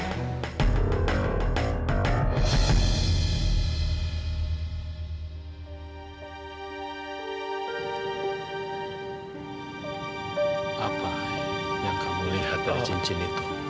apa yang kamu lihat dari cincin itu